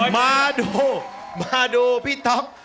มาดูมาดูพี่ท็อป